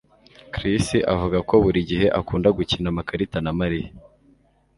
Chris avuga ko buri gihe akunda gukina amakarita na Mariya